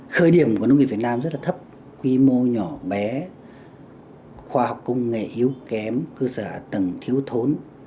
khởi điểm của nông nghiệp việt nam rất là thấp quy mô nhỏ bé khoa học công nghệ yếu kém cơ sở hạ tầng thiếu thốn